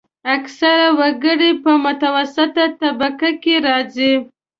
اکثره وګړي په متوسطه طبقه کې راځي.